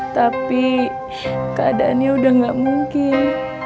tapi keadaannya udah gak mungkin